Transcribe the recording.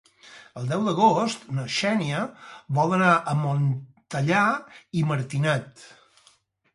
El deu d'agost na Xènia vol anar a Montellà i Martinet.